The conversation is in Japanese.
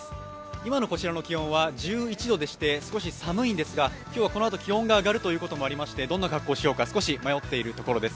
今のこちらの気温は１１度でして、少し寒いんですが、今日はこのあと気温も上がるということでどんな格好をしようか少し迷っているところです。